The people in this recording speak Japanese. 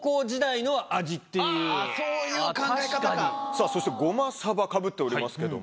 さぁそして「ごまさば」かぶっておりますけども。